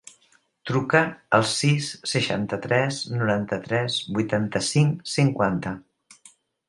Truca al sis, seixanta-tres, noranta-tres, vuitanta-cinc, cinquanta.